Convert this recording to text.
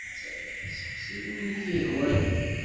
Seqsi win i k-yehwan!